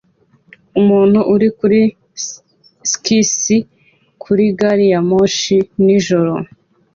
Umuntu uri kuri skisi kuri gari ya moshi nijoro